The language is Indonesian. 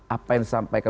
apa yang disampaikan